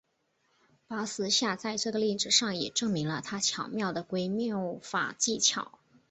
巴斯夏在这个例子上也证明了他巧妙的归谬法技巧。